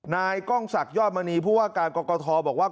นายกล้องศักดิยอดมณีผู้ว่าการกรกฐบอกว่า